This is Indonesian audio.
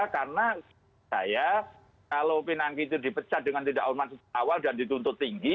karena saya kalau pinangki itu dipecat dengan tidak hormat sejak awal dan dituntut tinggi